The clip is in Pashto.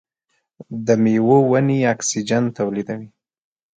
د میوو ونې اکسیجن تولیدوي.